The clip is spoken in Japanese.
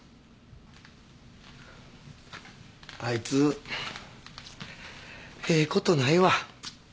あいつええことないわ。